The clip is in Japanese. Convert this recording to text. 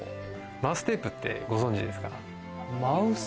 マウステープってご存知ですか？